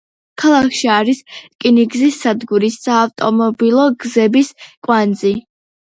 ქალაქში არის რკინიგზის სადგური, საავტომობილო გზების კვანძი.